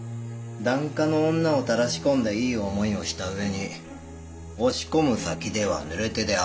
檀家の女をたらし込んでいい思いをした上に押し込む先では「濡れ手で粟」。